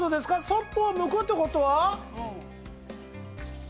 「ソッポを向く」ってことは。